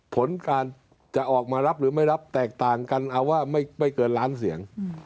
ผลการจะออกมารับหรือไม่รับแตกต่างกันเอาว่าไม่เกินล้านเสียง